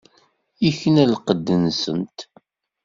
Ikna lqedd-nsent.